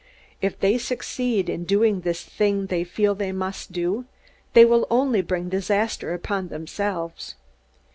If they succeed in doing this thing they feel they must do, they will only bring disaster upon themselves.